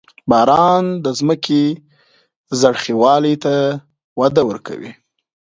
• باران د ځمکې زرخېوالي ته وده ورکوي.